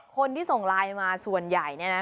คนที่ส่งไลน์มาส่วนใหญ่เนี่ยนะ